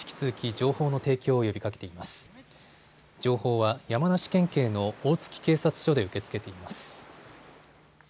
情報は山梨県警の大月警察署で受け付けています。